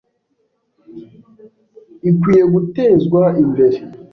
ikwiye gutezwa imbere